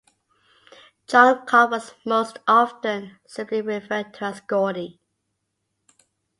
Johncock was most often simply referred to as Gordy.